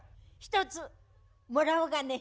１つもらおうかね。